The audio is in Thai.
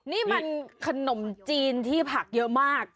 นี่มันขนมจีนที่ผักเยอะมาก